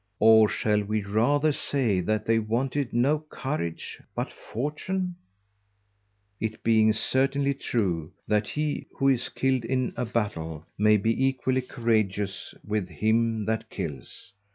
_Or shall we rather say that they wanted no Courage, but Fortune? It being certainly true, that he who is killed in a Batel, may be equally couragious with him that killeth.